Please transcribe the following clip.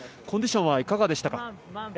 コンディションはいかがですか。